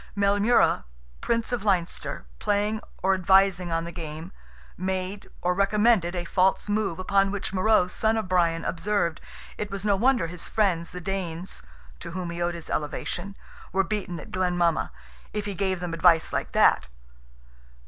Maelmurra, Prince of Leinster, playing or advising on the game, made, or recommended, a false move, upon which Morrogh, son of Brian, observed, it was no wonder his friends, the Danes, (to whom he owed his elevation,) were beaten at Glen Mama, if he gave them advice like that.